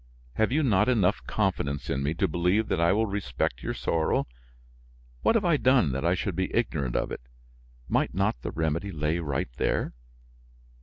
Have you not enough confidence in me to believe that I will respect your sorrow? What have I done that I should be ignorant of it? Might not the remedy lay right there?"